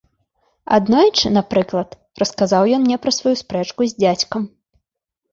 Аднойчы, напрыклад, расказаў ён мне пра сваю спрэчку з дзядзькам.